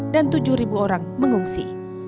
dan tujuh orang mengungsi